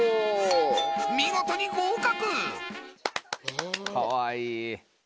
見事に合格！